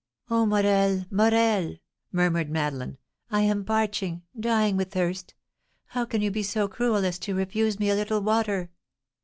"Oh, Morel! Morel!" murmured Madeleine, "I am parching, dying with thirst. How can you be so cruel as to refuse me a little water?"